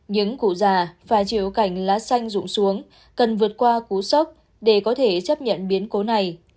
những cụ già phải chịu cảnh lá xanh rụng xuống cần vượt qua cú sốc để có thể chấp nhận biến cố này